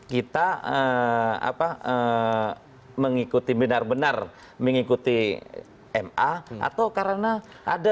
kita mengikuti benar benar mengikuti ma atau karena ada